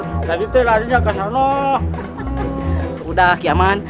selasi selasi bangun